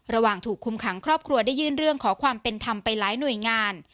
ระหว่างถูกคุมขังครอบครัวได้ยื่นเรื่องขอความเป็นธรรมไปหลายหน่วยงาน